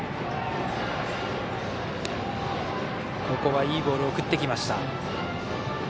ここはいいボールを送ってきました。